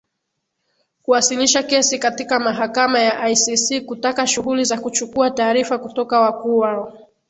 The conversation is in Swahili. kuwasilisha kesi katika mahakama ya icc kutaka shughuli za kuchukua taarifa kutoka wakuu wao